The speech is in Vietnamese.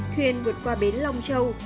thuyền vượt qua bến long châu